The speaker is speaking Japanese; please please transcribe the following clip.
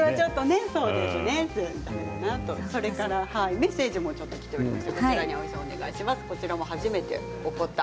メッセージもきています。